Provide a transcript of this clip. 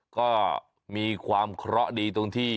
ก็มีความเคราะห์ดีตรงที่